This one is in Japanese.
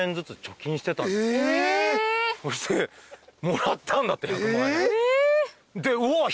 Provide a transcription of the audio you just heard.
そしてもらったんだって１００万円。